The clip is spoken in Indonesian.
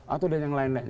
atau yang lain lain